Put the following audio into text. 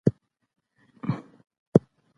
زوی مې وايي وخت په ګاډي کې ورو تېرېږي.